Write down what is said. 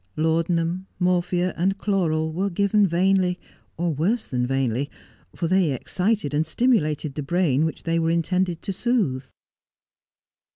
Laudanum, morphia, and chloral were given vainly, or worse than vainly, for they excited and stimulated the brain which they were intended to soothe.